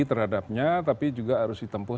terhadapnya tapi juga harus ditempuh